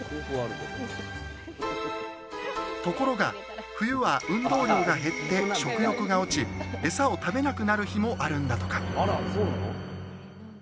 ところが冬は運動量が減って食欲が落ちエサを食べなくなる日もあるんだとか。